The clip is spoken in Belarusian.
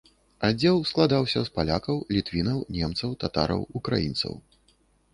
Аддзел складаўся з палякаў, літвінаў, немцаў, татараў, украінцаў.